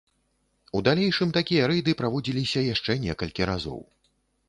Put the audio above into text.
У далейшым такія рэйды праводзіліся яшчэ некалькі разоў.